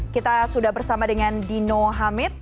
kita sudah bersama dengan dino hamid